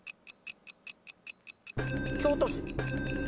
京都市。